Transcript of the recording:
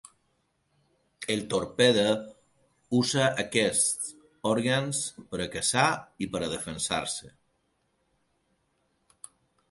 El torpede usa aquests òrgans per a caçar i per a defensar-se.